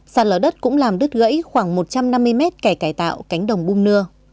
sạt lở đất cũng làm đứt gãy khoảng một trăm năm mươi m kẻ cải tạo cánh đồng bung nưa